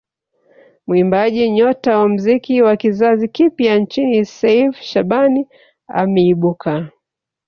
Muimbaji nyota wa muziki wa kizazi kipya nchini Seif Shabani ameibuka